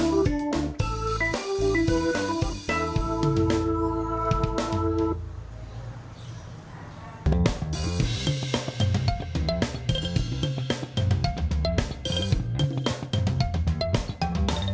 โปรดติดต่อไป